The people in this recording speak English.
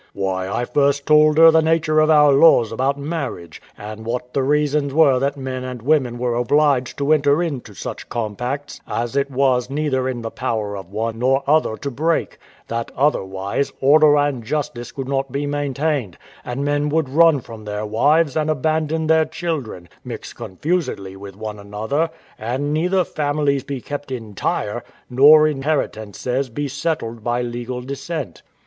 W.A. Why, I first told her the nature of our laws about marriage, and what the reasons were that men and women were obliged to enter into such compacts as it was neither in the power of one nor other to break; that otherwise, order and justice could not be maintained, and men would run from their wives, and abandon their children, mix confusedly with one another, and neither families be kept entire, nor inheritances be settled by legal descent.